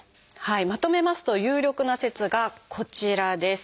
まとめますと有力な説がこちらです。